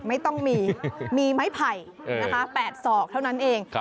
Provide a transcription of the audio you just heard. ไม่ต้องมีมีไม้ไผ่นะคะแปดสอกเท่านั้นเอง